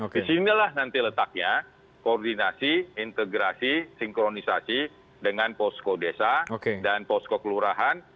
disinilah nanti letaknya koordinasi integrasi sinkronisasi dengan posko desa dan posko kelurahan